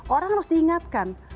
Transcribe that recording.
orang harus diingatkan